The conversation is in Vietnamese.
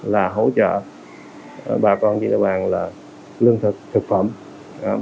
là hỗ trợ bà con chị đeo bà là lương thực thực phẩm